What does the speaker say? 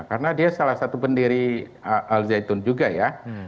karena dia salah satu pendiri al zaitun juga ya